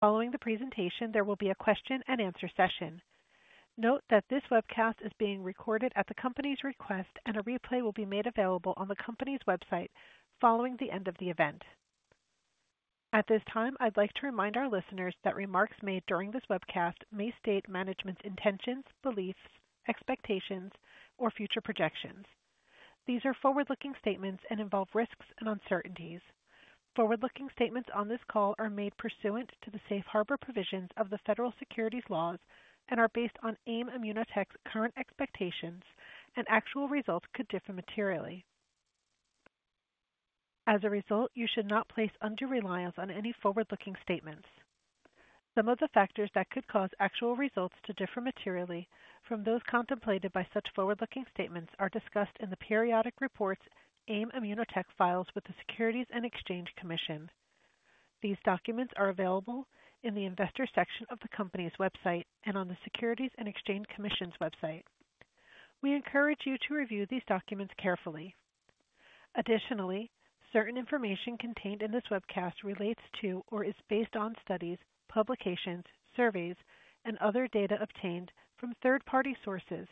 Following the presentation, there will be a question-and-answer session. Note that this webcast is being recorded at the company's request, and a replay will be made available on the company's website following the end of the event. At this time, I'd like to remind our listeners that remarks made during this webcast may state management's intentions, beliefs, expectations, or future projections. These are forward-looking statements and involve risks and uncertainties. Forward-looking statements on this call are made pursuant to the safe harbor provisions of the Federal Securities Laws and are based on AIM ImmunoTech's current expectations, and actual results could differ materially. As a result, you should not place undue reliance on any forward-looking statements. Some of the factors that could cause actual results to differ materially from those contemplated by such forward-looking statements are discussed in the periodic reports AIM ImmunoTech files with the Securities and Exchange Commission. These documents are available in the Investor section of the company's website and on the Securities and Exchange Commission's website. We encourage you to review these documents carefully. Additionally, certain information contained in this webcast relates to or is based on studies, publications, surveys, and other data obtained from third-party sources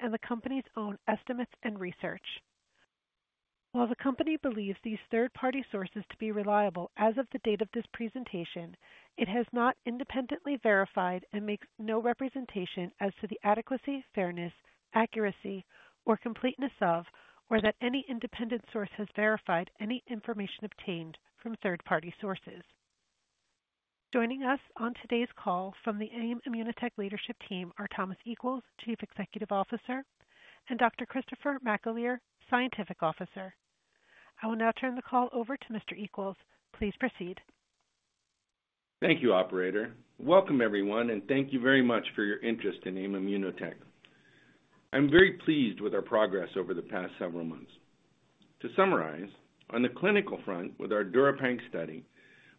and the company's own estimates and research. While the company believes these third-party sources to be reliable as of the date of this presentation, it has not independently verified and makes no representation as to the adequacy, fairness, accuracy, or completeness of, or that any independent source has verified any information obtained from third-party sources. Joining us on today's call from the AIM ImmunoTech leadership team are Thomas Equels, Chief Executive Officer, and Dr. Christopher McAleer, Scientific Officer. I will now turn the call over to Mr. Equels. Please proceed. Thank you, operator. Welcome, everyone, and thank you very much for your interest in AIM ImmunoTech. I'm very pleased with our progress over the past several months. To summarize, on the clinical front with our DuraPanc study,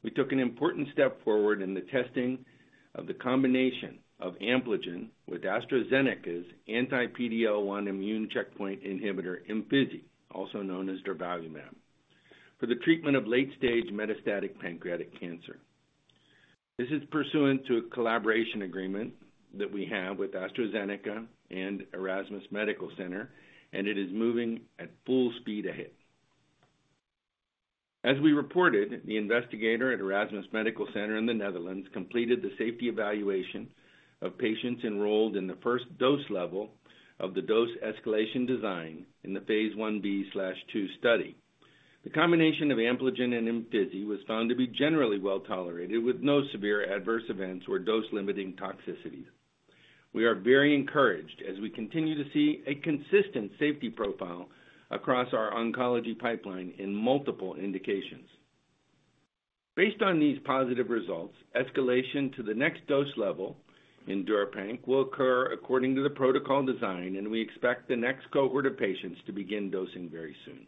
we took an important step forward in the testing of the combination of Ampligen with AstraZeneca's anti-PD-L1 immune checkpoint inhibitor, Imfinzi, also known as durvalumab, for the treatment of late-stage metastatic pancreatic cancer. This is pursuant to a collaboration agreement that we have with AstraZeneca and Erasmus Medical Center, and it is moving at full speed ahead. As we reported, the investigator at Erasmus Medical Center in the Netherlands completed the safety evaluation of patients enrolled in the first dose level of the dose escalation design in the phase Ib/II study. The combination of Ampligen and Imfinzi was found to be generally well-tolerated, with no severe adverse events or dose-limiting toxicities. We are very encouraged as we continue to see a consistent safety profile across our oncology pipeline in multiple indications. Based on these positive results, escalation to the next dose level in DuraPanc will occur according to the protocol design, and we expect the next cohort of patients to begin dosing very soon.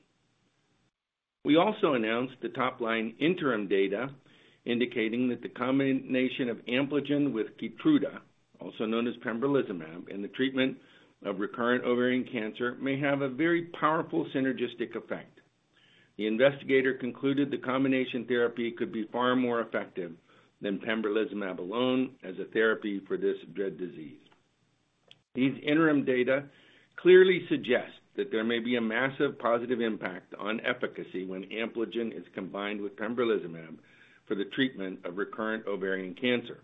We also announced the top-line interim data, indicating that the combination of Ampligen with Keytruda, also known as pembrolizumab, in the treatment of recurrent ovarian cancer, may have a very powerful synergistic effect. The investigator concluded the combination therapy could be far more effective than pembrolizumab alone as a therapy for this dread disease. These interim data clearly suggest that there may be a massive positive impact on efficacy when Ampligen is combined with pembrolizumab for the treatment of recurrent ovarian cancer.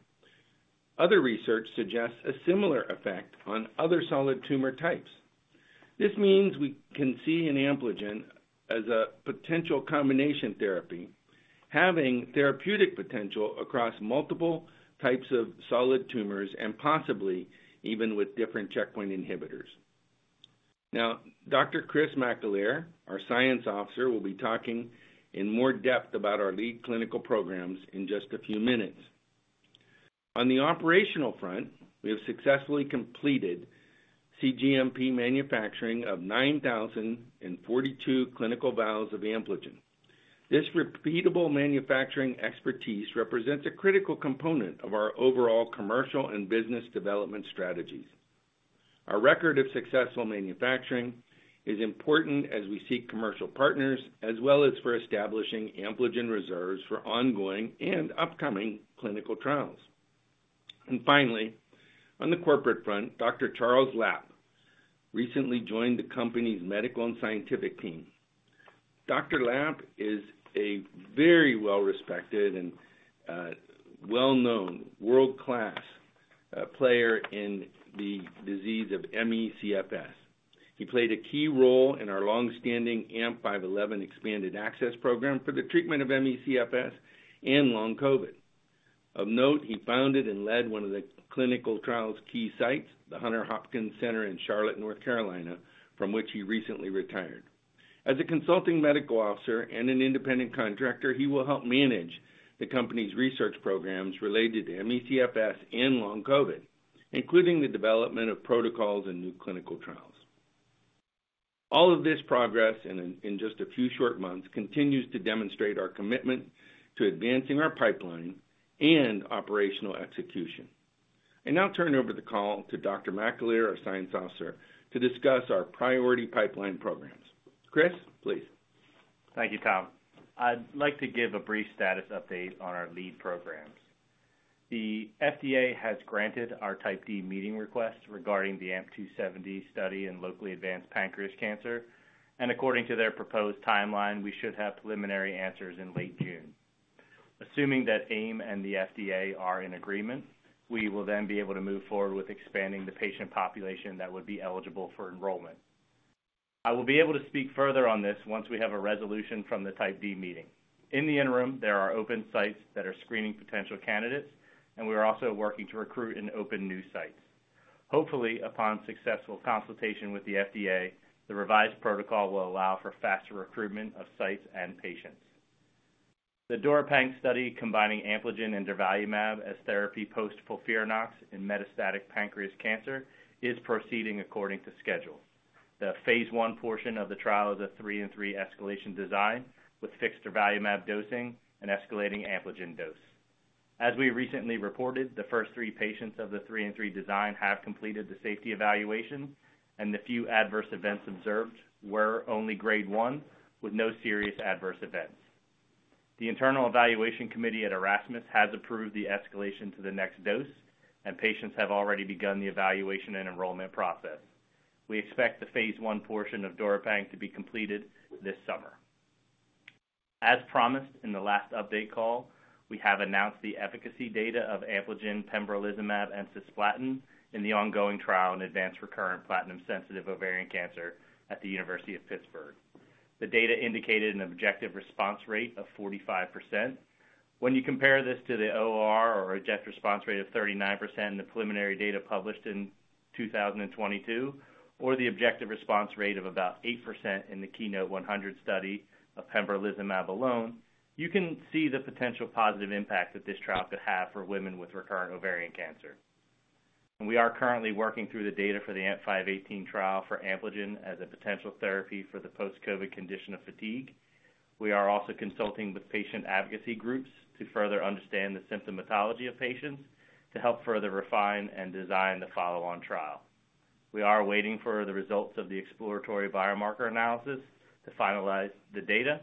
Other research suggests a similar effect on other solid tumor types. This means we can see in Ampligen as a potential combination therapy, having therapeutic potential across multiple types of solid tumors and possibly even with different checkpoint inhibitors. Now, Dr. Chris McAleer, our Science Officer, will be talking in more depth about our lead clinical programs in just a few minutes. On the operational front, we have successfully completed cGMP manufacturing of 9,042 clinical vials of Ampligen. This repeatable manufacturing expertise represents a critical component of our overall commercial and business development strategies. Our record of successful manufacturing is important as we seek commercial partners, as well as for establishing Ampligen reserves for ongoing and upcoming clinical trials. Finally, on the corporate front, Dr. Charles Lapp recently joined the company's medical and scientific team. Dr. Lapp is a very well-respected and well-known world-class player in the disease of ME/CFS. He played a key role in our long-standing AMP-511 expanded access program for the treatment of ME/CFS and long COVID. Of note, he founded and led one of the clinical trial's key sites, the Hunter-Hopkins Center in Charlotte, North Carolina, from which he recently retired. As a consulting medical officer and an independent contractor, he will help manage the company's research programs related to ME/CFS and long COVID, including the development of protocols and new clinical trials. All of this progress in just a few short months continues to demonstrate our commitment to advancing our pipeline and operational execution. I now turn over the call to Dr. McAleer, our science officer, to discuss our priority pipeline programs. Chris, please.... Thank you, Tom. I'd like to give a brief status update on our lead programs. The FDA has granted our Type D meeting request regarding the AMP-270 study in locally advanced pancreatic cancer, and according to their proposed timeline, we should have preliminary answers in late June. Assuming that AIM and the FDA are in agreement, we will then be able to move forward with expanding the patient population that would be eligible for enrollment. I will be able to speak further on this once we have a resolution from the Type D meeting. In the interim, there are open sites that are screening potential candidates, and we are also working to recruit and open new sites. Hopefully, upon successful consultation with the FDA, the revised protocol will allow for faster recruitment of sites and patients. The DuraPanc study, combining Ampligen and durvalumab as therapy post FOLFIRINOX in metastatic pancreatic cancer, is proceeding according to schedule. The phase 1 portion of the trial is a 3-in-3 escalation design, with fixed durvalumab dosing and escalating Ampligen dose. As we recently reported, the first 3 patients of the 3-in-3 design have completed the safety evaluation, and the few adverse events observed were only Grade 1, with no serious adverse events. The Internal Evaluation Committee at Erasmus has approved the escalation to the next dose, and patients have already begun the evaluation and enrollment process. We expect the phase 1 portion of DuraPanc to be completed this summer. As promised, in the last update call, we have announced the efficacy data of Ampligen, pembrolizumab, and cisplatin in the ongoing trial in advanced recurrent platinum-sensitive ovarian cancer at the University of Pittsburgh. The data indicated an objective response rate of 45%. When you compare this to the OR or objective response rate of 39% in the preliminary data published in 2022, or the objective response rate of about 8% in the KEYNOTE-100 study of pembrolizumab alone, you can see the potential positive impact that this trial could have for women with recurrent ovarian cancer. And we are currently working through the data for the AMP-518 trial for Ampligen as a potential therapy for the post-COVID condition of fatigue. We are also consulting with patient advocacy groups to further understand the symptomatology of patients, to help further refine and design the follow-on trial. We are waiting for the results of the exploratory biomarker analysis to finalize the data,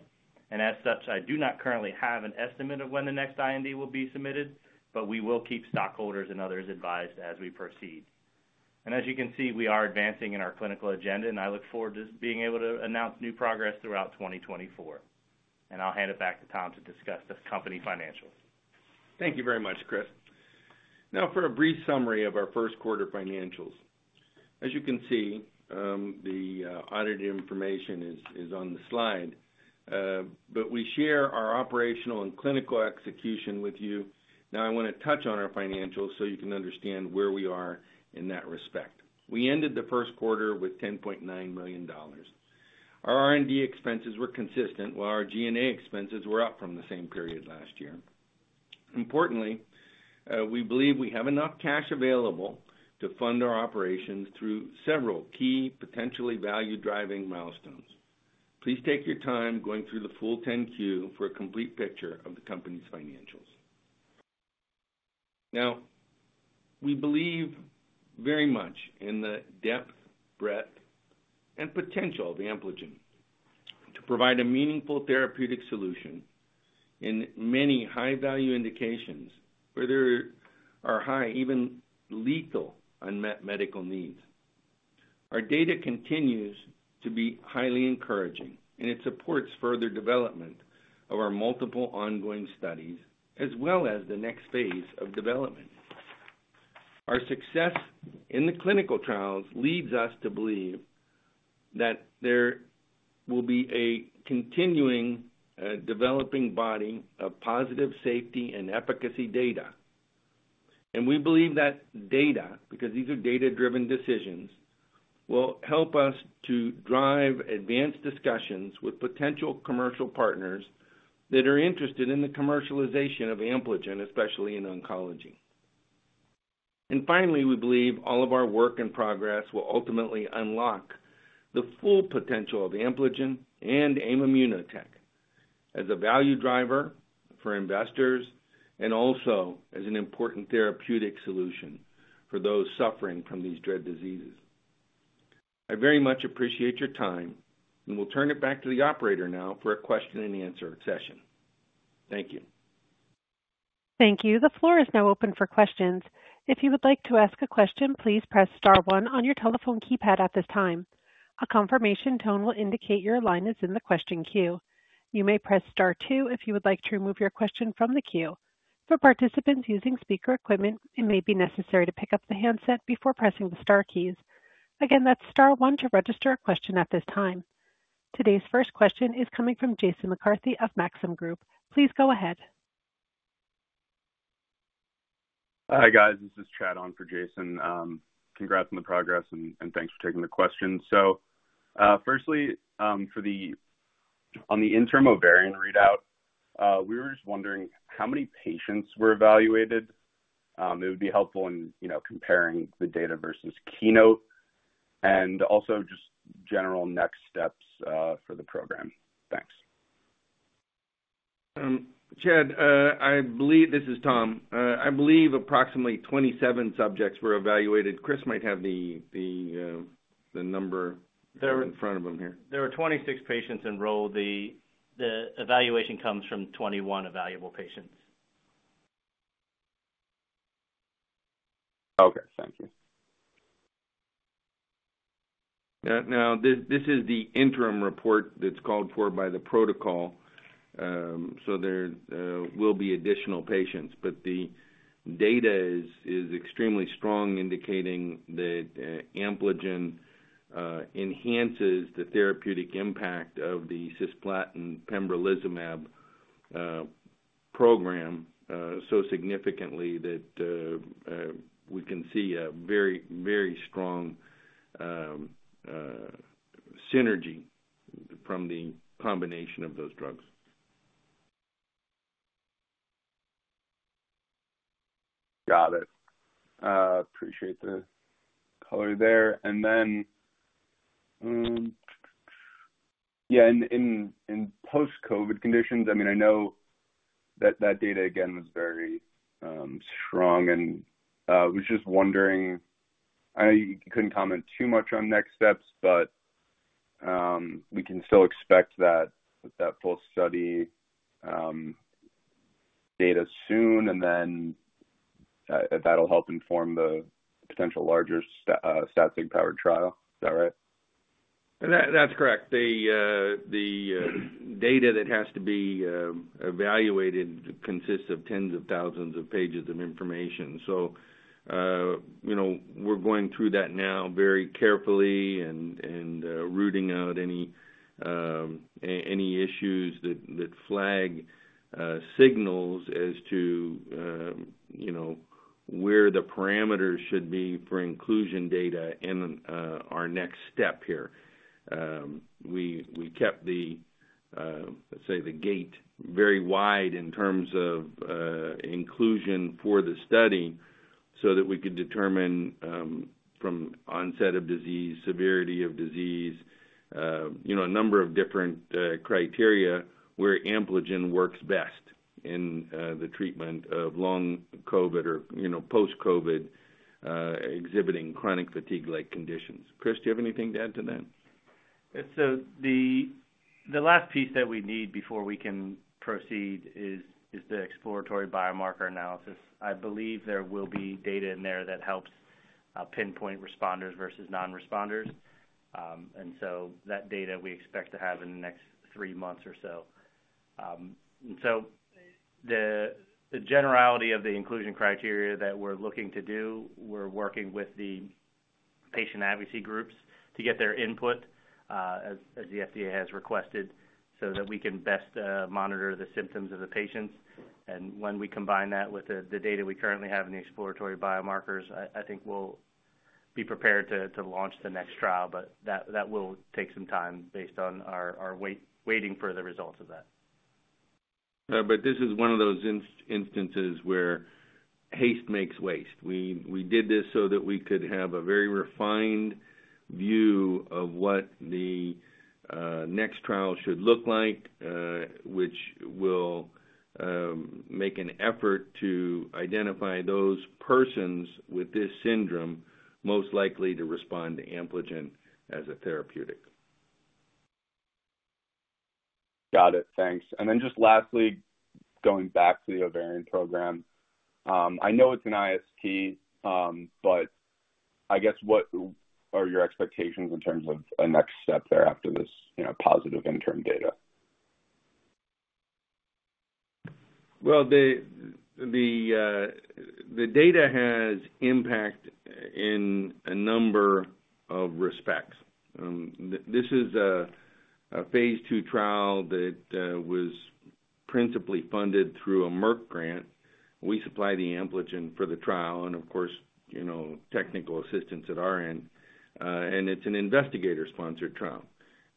and as such, I do not currently have an estimate of when the next IND will be submitted, but we will keep stockholders and others advised as we proceed. As you can see, we are advancing in our clinical agenda, and I look forward to being able to announce new progress throughout 2024. I'll hand it back to Tom to discuss the company financials. Thank you very much, Chris. Now for a brief summary of our first quarter financials. As you can see, the audited information is on the slide, but we share our operational and clinical execution with you. Now I wanna touch on our financials so you can understand where we are in that respect. We ended the first quarter with $10.9 million. Our R&D expenses were consistent, while our G&A expenses were up from the same period last year. Importantly, we believe we have enough cash available to fund our operations through several key potentially value-driving milestones. Please take your time going through the full 10-Q for a complete picture of the company's financials. Now, we believe very much in the depth, breadth, and potential of the Ampligen to provide a meaningful therapeutic solution in many high-value indications where there are high, even lethal, unmet medical needs. Our data continues to be highly encouraging, and it supports further development of our multiple ongoing studies, as well as the next phase of development. Our success in the clinical trials leads us to believe that there will be a continuing, developing body of positive safety and efficacy data. We believe that data, because these are data-driven decisions, will help us to drive advanced discussions with potential commercial partners that are interested in the commercialization of Ampligen, especially in oncology. Finally, we believe all of our work and progress will ultimately unlock the full potential of Ampligen and AIM ImmunoTech as a value driver for investors and also as an important therapeutic solution for those suffering from these dread diseases. I very much appreciate your time, and we'll turn it back to the operator now for a question-and-answer session. Thank you. Thank you. The floor is now open for questions. If you would like to ask a question, please press star one on your telephone keypad at this time. A confirmation tone will indicate your line is in the question queue. You may press star two if you would like to remove your question from the queue. For participants using speaker equipment, it may be necessary to pick up the handset before pressing the star keys. Again, that's star one to register a question at this time. Today's first question is coming from Jason McCarthy of Maxim Group. Please go ahead. Hi, guys. This is Chad on for Jason. Congrats on the progress and, and thanks for taking the questions. So, firstly, for on the interim ovarian readout, we were just wondering how many patients were evaluated? It would be helpful in, you know, comparing the data versus Keynote and also just general next steps for the program. Thanks.... Chad, I believe this is Tom. I believe approximately 27 subjects were evaluated. Chris might have the number there in front of him here. There were 26 patients enrolled. The evaluation comes from 21 evaluable patients. Okay, thank you. Now, this is the interim report that's called for by the protocol. So there will be additional patients, but the data is extremely strong, indicating that Ampligen enhances the therapeutic impact of the Cisplatin pembrolizumab program so significantly that we can see a very, very strong synergy from the combination of those drugs. Got it. Appreciate the color there. And then, yeah, in post-COVID conditions, I mean, I know that that data, again, was very strong, and was just wondering... I know you couldn't comment too much on next steps, but, we can still expect that, with that full study, data soon, and then, that'll help inform the potential larger statistically powered trial. Is that right? That, that's correct. The data that has to be evaluated consists of tens of thousands of pages of information. So, you know, we're going through that now very carefully and rooting out any issues that flag signals as to, you know, where the parameters should be for inclusion data in our next step here. We kept the, let's say, the gate very wide in terms of inclusion for the study, so that we could determine from onset of disease, severity of disease, you know, a number of different criteria where Ampligen works best in the treatment of long COVID or, you know, post-COVID exhibiting chronic fatigue-like conditions. Chris, do you have anything to add to that? So the last piece that we need before we can proceed is the exploratory biomarker analysis. I believe there will be data in there that helps pinpoint responders versus non-responders. And so that data we expect to have in the next three months or so. So the generality of the inclusion criteria that we're looking to do, we're working with the patient advocacy groups to get their input, as the FDA has requested, so that we can best monitor the symptoms of the patients. And when we combine that with the data we currently have in the exploratory biomarkers, I think we'll be prepared to launch the next trial, but that will take some time based on our waiting for the results of that. But this is one of those instances where haste makes waste. We did this so that we could have a very refined view of what the next trial should look like, which will make an effort to identify those persons with this syndrome most likely to respond to Ampligen as a therapeutic. Got it. Thanks. And then just lastly, going back to the ovarian program. I know it's an IST, but I guess, what are your expectations in terms of a next step there after this, you know, positive interim data? Well, the data has impact in a number of respects. This is a phase II trial that was principally funded through a Merck grant. We supply the Ampligen for the trial and of course, you know, technical assistance at our end, and it's an investigator-sponsored trial.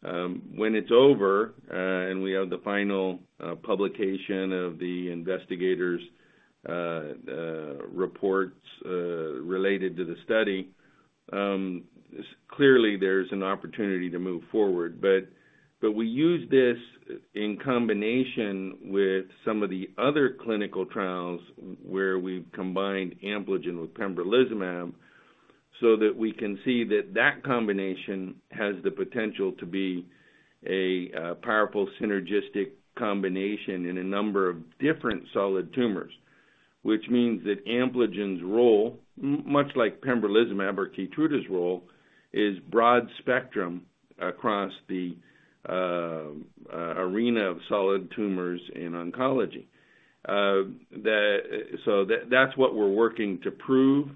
When it's over, and we have the final publication of the investigators' reports related to the study, clearly there's an opportunity to move forward. But we use this in combination with some of the other clinical trials where we've combined Ampligen with pembrolizumab, so that we can see that that combination has the potential to be a powerful synergistic combination in a number of different solid tumors. Which means that Ampligen's role, much like pembrolizumab or Keytruda's role, is broad spectrum across the arena of solid tumors in oncology. So that's what we're working to prove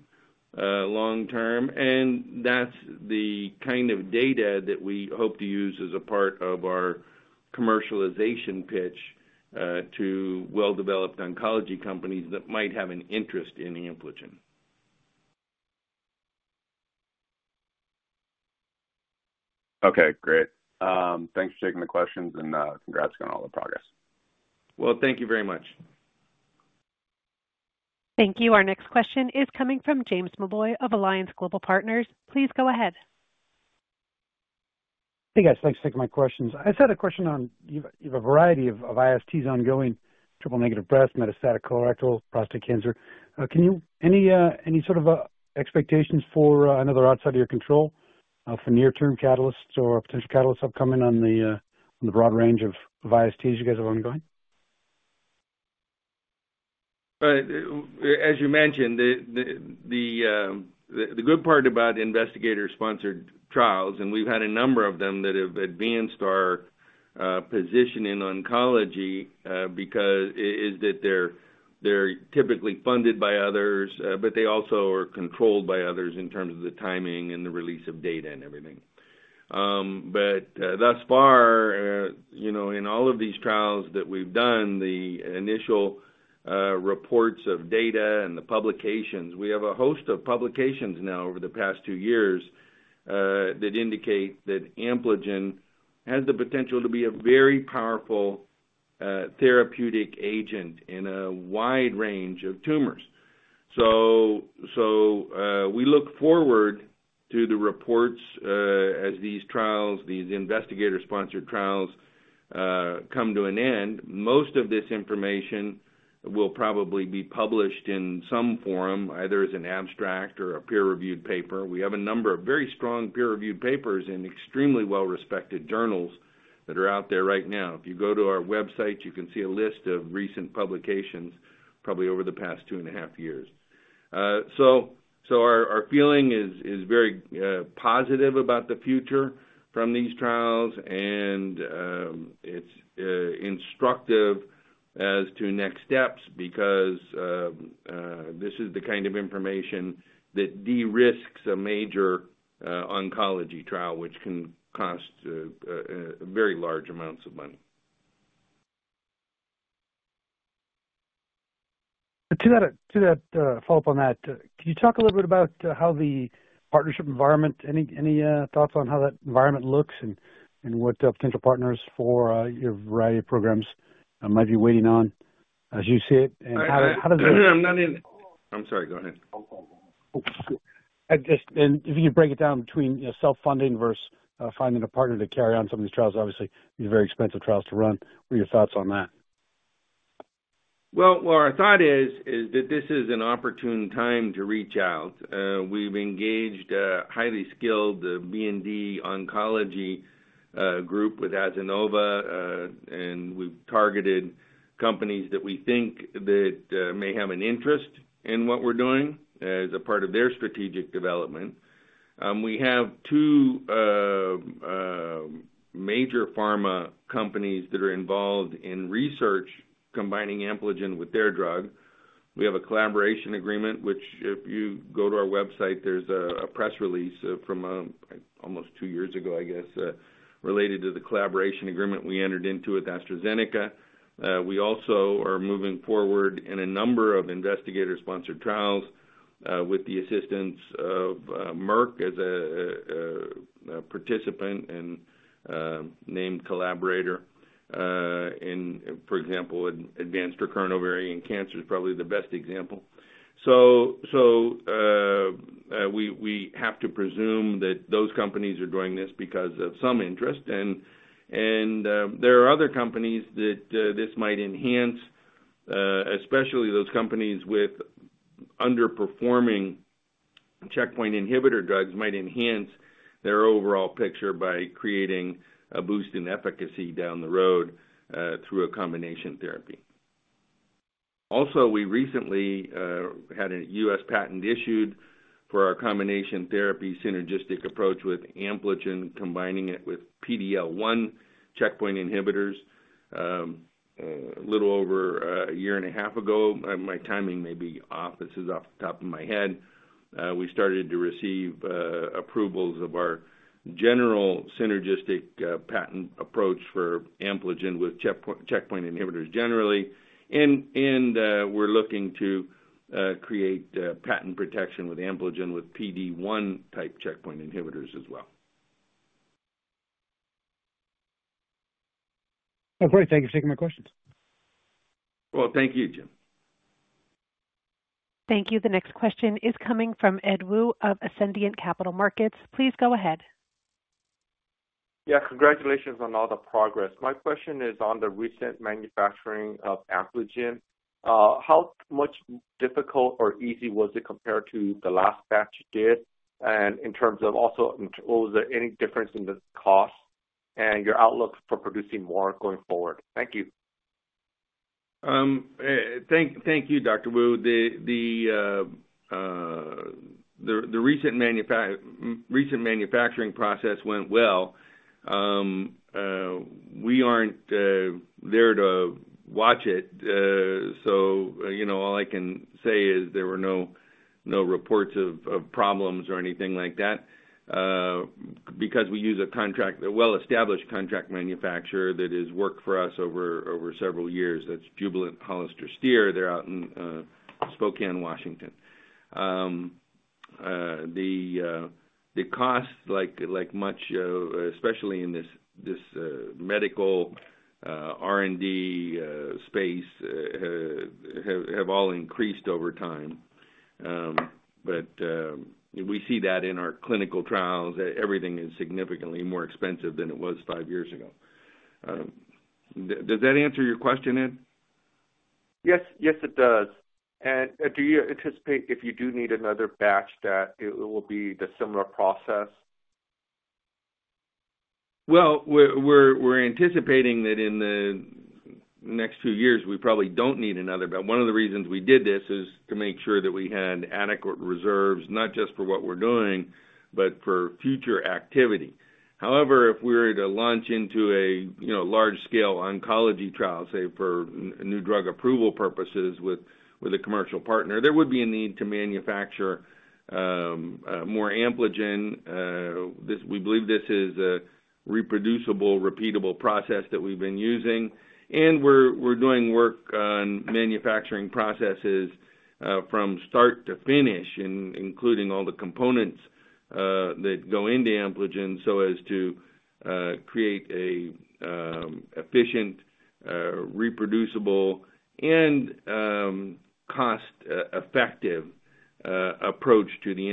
long term, and that's the kind of data that we hope to use as a part of our commercialization pitch to well-developed oncology companies that might have an interest in Ampligen. Okay, great. Thanks for taking the questions, and congrats on all the progress. Well, thank you very much. Thank you. Our next question is coming from James Molloy of Alliance Global Partners. Please go ahead. Hey, guys. Thanks for taking my questions. I just had a question on you. You have a variety of ISTs ongoing, triple negative breast, metastatic colorectal, prostate cancer. Can you... Any sort of expectations for, I know they're outside of your control, for near-term catalysts or potential catalysts upcoming on the broad range of ISTs you guys have ongoing? As you mentioned, the good part about the investigator-sponsored trials, and we've had a number of them that have advanced our position in oncology because is that they're typically funded by others, but they also are controlled by others in terms of the timing and the release of data and everything. But thus far, you know, in all of these trials that we've done, the initial reports of data and the publications, we have a host of publications now over the past two years that indicate that Ampligen has the potential to be a very powerful therapeutic agent in a wide range of tumors. We look forward to the reports as these trials, these investigator-sponsored trials, come to an end. Most of this information will probably be published in some forum, either as an abstract or a peer-reviewed paper. We have a number of very strong peer-reviewed papers in extremely well-respected journals that are out there right now. If you go to our website, you can see a list of recent publications, probably over the past two and a half years. Our feeling is very positive about the future from these trials, and it's instructive as to next steps because this is the kind of information that de-risks a major oncology trial, which can cost very large amounts of money. To that, follow up on that, can you talk a little bit about how the partnership environment... Any thoughts on how that environment looks and what the potential partners for your variety of programs might be waiting on, as you see it, and how does that- I'm sorry, go ahead. Oh, good. And just, and if you could break it down between, self-funding versus, finding a partner to carry on some of these trials. Obviously, these are very expensive trials to run. What are your thoughts on that? Well, our thought is that this is an opportune time to reach out. We've engaged a highly skilled BD oncology group with Azenova, and we've targeted companies that we think that may have an interest in what we're doing as a part of their strategic development. We have two major pharma companies that are involved in research, combining Ampligen with their drug. We have a collaboration agreement, which if you go to our website, there's a press release from almost two years ago, I guess, related to the collaboration agreement we entered into with AstraZeneca. We also are moving forward in a number of investigator-sponsored trials with the assistance of Merck as a participant and named collaborator, in, for example, advanced recurrent ovarian cancer is probably the best example. We have to presume that those companies are doing this because of some interest. And there are other companies that this might enhance, especially those companies with underperforming checkpoint inhibitor drugs, might enhance their overall picture by creating a boost in efficacy down the road, through a combination therapy. Also, we recently had a U.S. patent issued for our combination therapy synergistic approach with Ampligen, combining it with PD-L1 checkpoint inhibitors, a little over a year and a half ago. My timing may be off. This is off the top of my head. We started to receive approvals of our general synergistic patent approach for Ampligen with checkpoint inhibitors generally. And we're looking to create patent protection with Ampligen, with PD-1 type checkpoint inhibitors as well. Great. Thank you for taking my questions. Well, thank you, Jim. Thank you. The next question is coming from Ed Woo of Ascendiant Capital Markets. Please go ahead. Yeah, congratulations on all the progress. My question is on the recent manufacturing of Ampligen. How much difficult or easy was it compared to the last batch you did? And in terms of also, was there any difference in the cost and your outlook for producing more going forward? Thank you. Thank you, Dr. Wu. The recent manufacturing process went well. We aren't there to watch it, so, you know, all I can say is there were no reports of problems or anything like that, because we use a well-established contract manufacturer that has worked for us over several years. That's Jubilant HollisterStier. They're out in Spokane, Washington. The costs, like much, especially in this medical R&D space, have all increased over time. But we see that in our clinical trials, everything is significantly more expensive than it was five years ago. Does that answer your question, Ed? Yes. Yes, it does. And do you anticipate, if you do need another batch, that it will be the similar process? Well, we're anticipating that in the next two years, we probably don't need another. But one of the reasons we did this is to make sure that we had adequate reserves, not just for what we're doing, but for future activity. However, if we were to launch into a, you know, large scale oncology trial, say, for new drug approval purposes with a commercial partner, there would be a need to manufacture more Ampligen. This we believe this is a reproducible, repeatable process that we've been using, and we're doing work on manufacturing processes from start to finish, including all the components that go into Ampligen, so as to create a efficient, reproducible and cost effective approach to the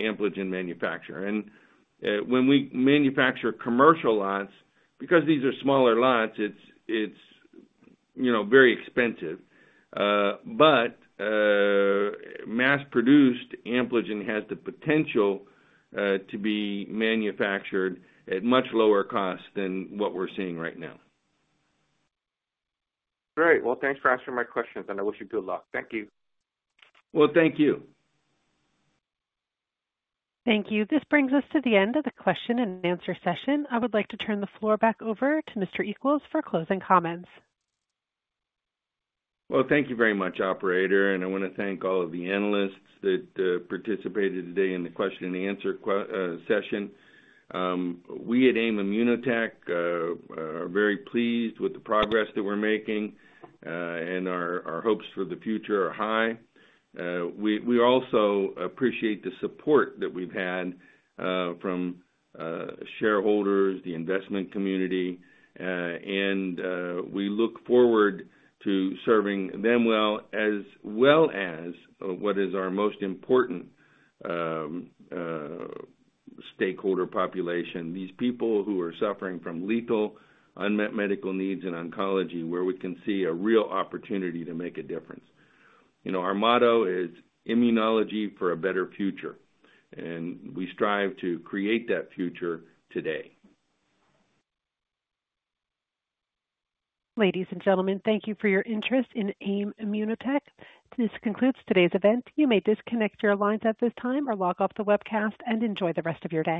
Ampligen manufacturer. When we manufacture commercial lots, because these are smaller lots, it's, you know, very expensive. But mass-produced Ampligen has the potential to be manufactured at much lower cost than what we're seeing right now. Great! Well, thanks for answering my questions, and I wish you good luck. Thank you. Well, thank you. Thank you. This brings us to the end of the question-and-answer session. I would like to turn the floor back over to Mr. Equels for closing comments. Well, thank you very much, operator, and I want to thank all of the analysts that participated today in the question-and-answer session. We at AIM ImmunoTech are very pleased with the progress that we're making, and our hopes for the future are high. We also appreciate the support that we've had from shareholders, the investment community, and we look forward to serving them well, as well as what is our most important stakeholder population, these people who are suffering from lethal unmet medical needs in oncology, where we can see a real opportunity to make a difference. You know, our motto is, "Immunology for a better future," and we strive to create that future today. Ladies and gentlemen, thank you for your interest in AIM ImmunoTech. This concludes today's event. You may disconnect your lines at this time or log off the webcast and enjoy the rest of your day.